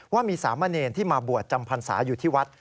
ว่ามีสามเณรที่มาบวชจำพรรษาอยู่ที่วัด